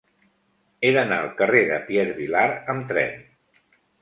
He d'anar al carrer de Pierre Vilar amb tren.